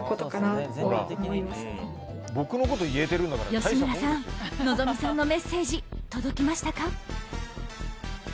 吉村さん、望実さんのメッセージ届きましたか？